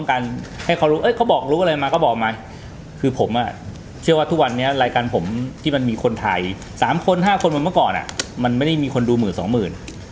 คนเหมือนเมื่อก่อนอะมันไม่ได้มีคนดูหมื่นสองหมื่น